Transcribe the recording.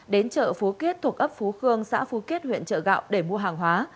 đến trợ phú kiết thuộc ấp phú khương xã phú kiết huyện trợ gạo để mua hàng hóa